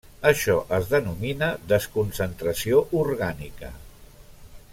Això es denomina desconcentració orgànica.